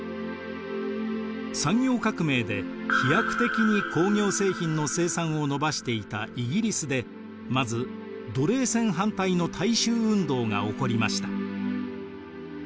産業革命で飛躍的に工業製品の生産を伸ばしていたイギリスでまず奴隷船反対の大衆運動が起こりました。